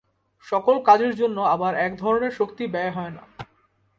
সকল কাজের জন্য আবার এক ধরনের শক্তি ব্যয় হয় না।